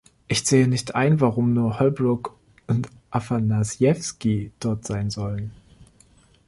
Ich sehe nicht ein, warum nur Holbrooke und Afanasiewsky dort sein sollen.